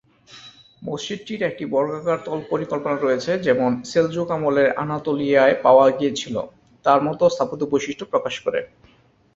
মসজিদটির একটি বর্গাকার তল পরিকল্পনা রয়েছে, যেমন সেলজুক আমলে আনাতোলিয়ায় পাওয়া গিয়েছিল, তার মতো স্থাপত্য বৈশিষ্ট্য প্রকাশ করে।